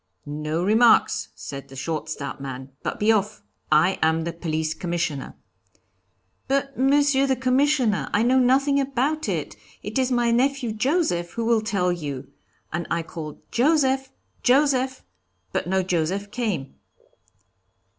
'No remarks,' said the short, stout man, 'but be off; I am the Police Commissioner.' 'But, Monsieur the Commissioner, I know nothing about it; it is my nephew Joseph who will tell you,' and I called 'Joseph! Joseph!' but no Joseph came."